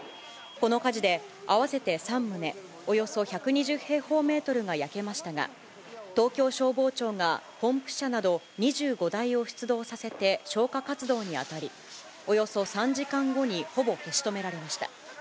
この火事で、合わせて３棟、およそ１２０平方メートルが焼けましたが、東京消防庁がポンプ車など２５台を出動させて消火活動に当たり、およそ３時間後にほぼ消し止められました。